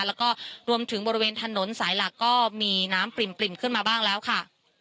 แล้วก็รวมถึงบริเวณถนนสายหลักก็มีน้ำปริ่มขึ้นมาบ้างแล้วค่ะ